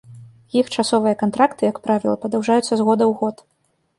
Іх часовыя кантракты, як правіла, падаўжаюцца з года ў год.